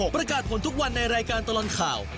ประกาศผลทุกวันในรายการตลอดข่าว